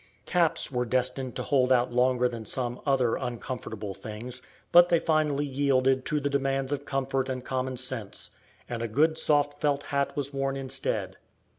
Caps were destined to hold out longer than some other uncomfortable things, but they finally yielded to the demands of comfort and common sense, and a good soft felt hat was worn instead.